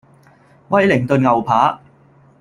威靈頓牛扒